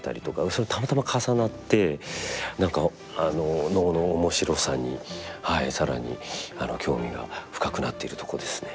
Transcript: それたまたま重なって何か能の面白さに更に興味が深くなっているとこですね。